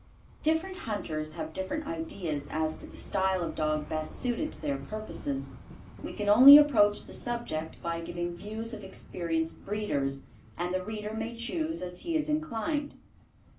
Different hunters have different ideas as to the style of dog best suited to their purposes. We can only approach the subject, by giving views of experienced breeders, and the reader may choose as he is inclined.